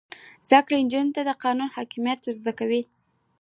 زده کړه نجونو ته د قانون حاکمیت ور زده کوي.